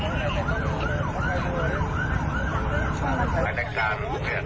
หายที่จะแสน